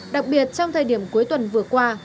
đặc biệt trong thời điểm cuối tuần vừa qua